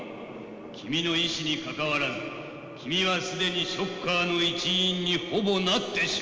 君の意志にかかわらず君は既にショッカーの一員にほぼなってしまっているのだ。